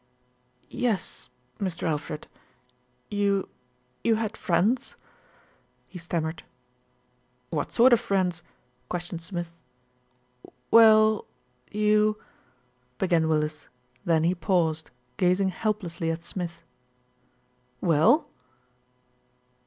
"Yes, Mr. Alfred. You you had friends," he stammered. "What sort of friends?" questioned Smith. "Well you " began Willis, then he paused, gaz ing helplessly at Smith. "Well!"